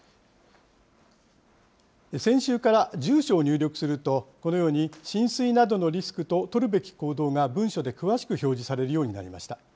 先週から、住所を入力すると、このように浸水などのリスクと取るべき行動が文章で詳しく表示されるようになりました。